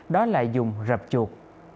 đó là dùng rập chuột